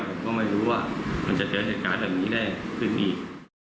ผมก็ไม่รู้ว่ามันจะเกิดเหตุการณ์แบบนี้ได้ขึ้นอีก